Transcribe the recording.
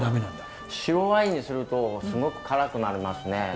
白ワインにするとすごく辛くなりますね。